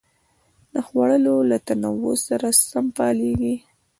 د خوړو له ننوتلو سره سم فعالېږي.